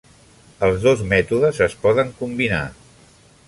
Els dos mètodes es poden combinar.